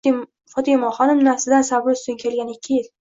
Fotimaxonim nafsidan sabri ustun kelgan ikki yil.